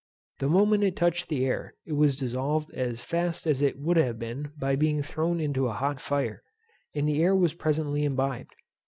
The moment it touched the air it was dissolved as fast as it would have been by being thrown into a hot fire, and the air was presently imbibed.